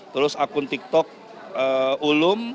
terus akun tiktok ullum